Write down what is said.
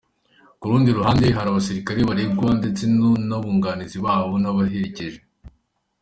K’urundi ruhande hari abasilikare baregwa, ndetse n’abunganizi babo, n’ababaherekeje.